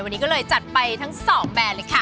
วันนี้ก็เลยจัดไปทั้ง๒แบรนด์เลยค่ะ